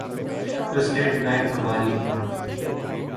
تو state bank ہماری branch